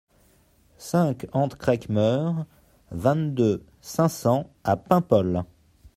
cinq hent Crec'h Meur, vingt-deux, cinq cents à Paimpol